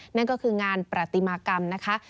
นั่นก็คืองานประติมากรรมนะคะ